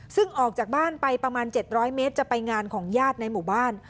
ซึ่งออกจากบ้านไปประมาณ๗๐๐เมตรจะไปงานของญาติในหมู่บ้าน